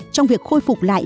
trong việc khôi phục lại